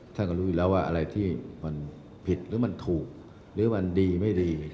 ท่านก็รู้อยู่แล้วว่าอะไรที่มันผิดหรือมันถูกหรือมันดีไม่ดี